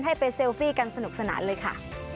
ให้ไปเซลฟี่กันสนุกสนานเลยค่ะ